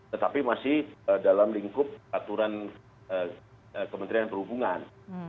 tetapi masih dalam lingkup aturan kementerian perhubungan